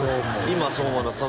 今はそう思います